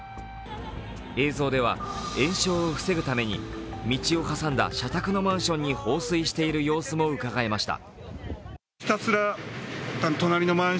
映像では延焼を防ぐために道を挟んだ社宅のマンションに放水している様子もうかがえました。